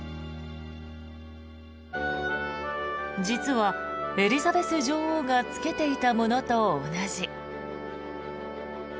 実は、エリザベス女王が着けていたものと同じ。